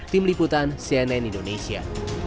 tim liputan cnn indonesia